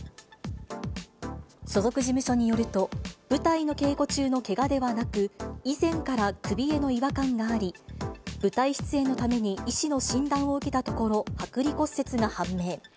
所属事務所によると、舞台の稽古中のけがではなく、以前から首への違和感があり、舞台出演のために医師の診断を受けたところ、剥離骨折が判明。